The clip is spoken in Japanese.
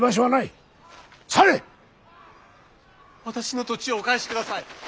私の土地をお返しください。